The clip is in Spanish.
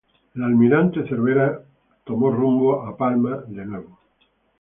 El "Almirante Cervera" tomó rumbo a Palma de nuevo.